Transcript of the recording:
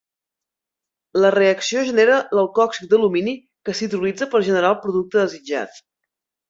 La reacció genera l'alcòxid d'alumini que s'hidrolitza per generar el producte desitjat.